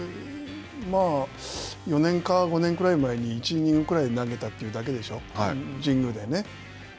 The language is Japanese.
４年か５年くらい前に１イニングぐらい投げたというだけでしょう、神宮でね。